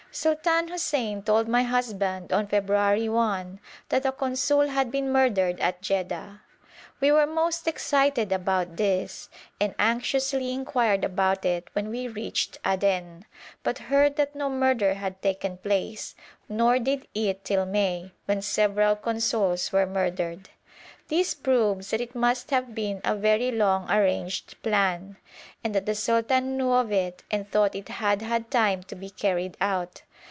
Sultan Hussein told my husband on February 1 that a consul had been murdered at Jedda. We were most excited about this, and anxiously inquired about it when we reached Aden, but heard that no murder had taken place, nor did it till May, when several consuls were murdered. This proves that it must have been a very long arranged plan, and that the sultan knew of it and thought it had had time to be carried out.